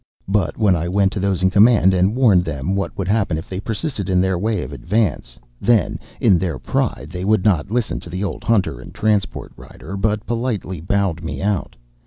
But when I went to those in command and warned them what would happen if they persisted in their way of advance, then in their pride they would not listen to the old hunter and transport rider, but politely bowed me out.